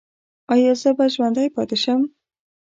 ایا زه به ژوندی پاتې شم؟